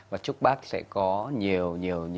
và chúc bác sẽ có nhiều